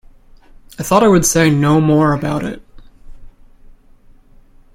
I thought I would say no more about it.